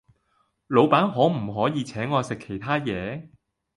老闆可唔可以請我食其他野